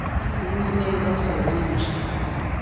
Uwineza Solange